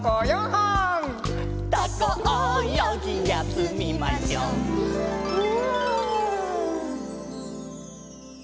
「タコおよぎやすみましょうフ」